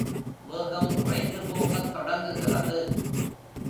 வேகம் குறைந்து போகத் தொடங்குகிறது.